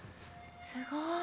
すごい。